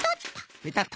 ペタッと。